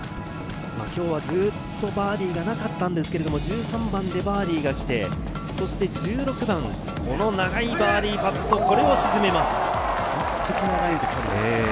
今日はずっとバーディーがなかったんですが、１３番でバーディーが来て、１６番、この長いバーディーパット、これを沈めます。